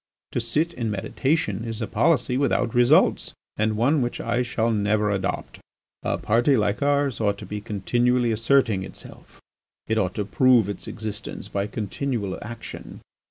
To sit in meditation is a policy without results and one which I shall never adopt. "A party like ours ought to be continually asserting itself. It ought to prove its existence by continual action.